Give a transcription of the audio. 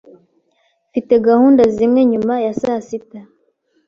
Mfite gahunda zimwe nyuma ya saa sita.